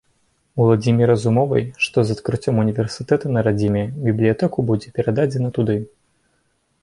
Уладзіміра з умовай, што з адкрыццём універсітэта на радзіме, бібліятэку будзе перададзена туды.